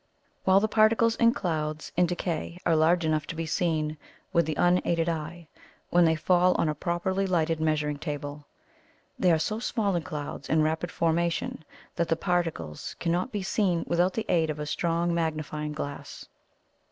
While the particles in clouds in decay are large enough to be seen with the unaided eye, when they fall on a properly lighted measuring table, they are so small in clouds in rapid formation that the particles cannot be seen without the aid of a strong magnifying glass.